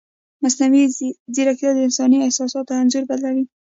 مصنوعي ځیرکتیا د انساني احساساتو انځور بدلوي.